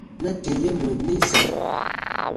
Na tìm ye mwɛ nim sari :